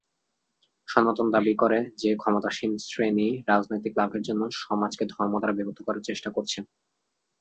সনাতন দাবি করে যে ক্ষমতাসীন শ্রেণি রাজনৈতিক লাভের জন্য সমাজকে ধর্ম দ্বারা বিভক্ত করার চেষ্টা করছে।